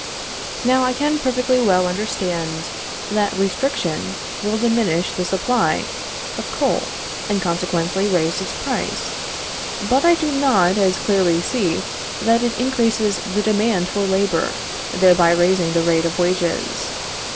Now I can perfectly well understand that restriction will diminish the supply of coal, and consequently raise its price; but I do not as clearly see that it increases the demand for labor, thereby raising the rate of wages.